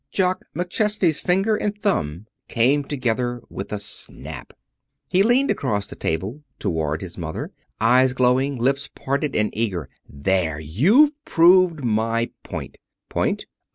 Jock McChesney's finger and thumb came together with a snap. He leaned across the table toward his mother, eyes glowing, lips parted and eager. "There! you've proved my point." "Point?"